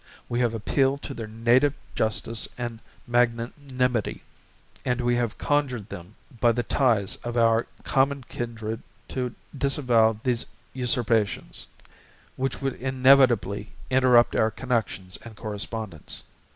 We have appealed to their native justice and magnanimity, and we have conjured them by the ties of our common kindred to disavow these usurpations, which would inevitably interrupt our connections and correspondence.